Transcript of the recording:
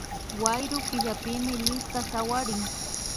Wayru killapimi Luiska sawarin